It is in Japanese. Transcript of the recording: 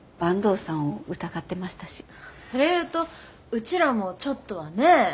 それ言うとうちらもちょっとはね。